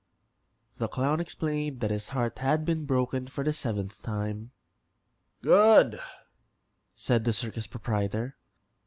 The clown explained that his heart had been broken for the seventh time. "Good," said the circus proprietor.